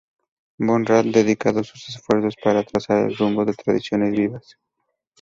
Von Rad dedicado sus esfuerzos para trazar el rumbo de tradiciones vivas.